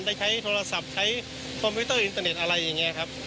ได้ใช้โทรศัพท์ใช้คอมพิวเตอร์อินเตอร์เน็ตอะไรอย่างนี้ครับ